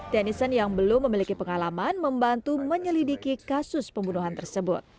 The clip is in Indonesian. tennison yang belum memiliki pengalaman membantu menyelidiki kasus pembunuhan tersebut